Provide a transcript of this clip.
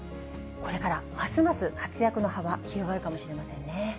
これからますます活躍の幅、広がるかもしれませんね。